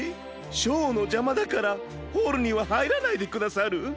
ショーのじゃまだからホールにははいらないでくださる？